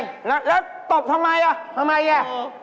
แล้วตบทำไมอ่ะทำไมอ่ะ